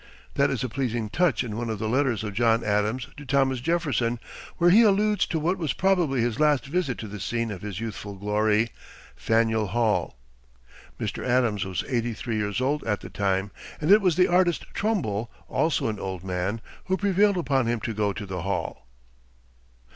That is a pleasing touch in one of the letters of John Adams to Thomas Jefferson, where he alludes to what was probably his last visit to the scene of his youthful glory, Faneuil Hall. Mr. Adams was eighty three years old at the time, and it was the artist Trumbull, also an old man, who prevailed upon him to go to the Hall.